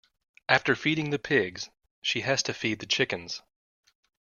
After feeding the pigs, she has to feed the chickens.